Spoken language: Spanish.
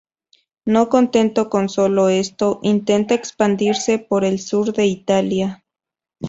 No contento con sólo esto, intenta expandirse por el sur de Italia.